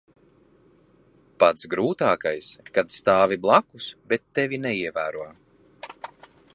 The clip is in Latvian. Pats grūtākais - kad stāvi blakus, bet tevi neievēro.